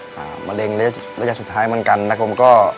กำลังจะให้ลูกก็ป่านะครับผม